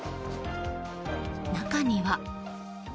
中には。